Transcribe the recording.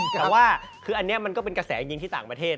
แต่ว่าคืออันนี้มันก็เป็นกระแสยิงที่ต่างประเทศ